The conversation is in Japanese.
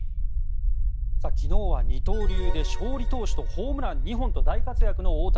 昨日は二刀流で勝利投手とホームラン２本と大活躍の大谷。